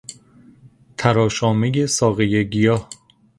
تراشامهی ساقهی گیاه